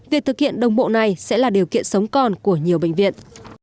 việc thực hiện đồng bộ này sẽ là điều kiện sống còn của nhiều bệnh viện